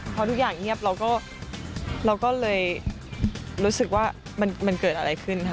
พอทุกอย่างเงียบเราก็เราก็เลยรู้สึกว่ามันเกิดอะไรขึ้นค่ะ